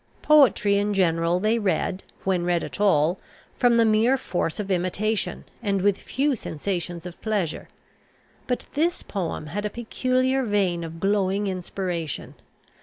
Poetry in general they read, when read at all, from the mere force of imitation, and with few sensations of pleasure; but this poem had a peculiar vein of glowing inspiration.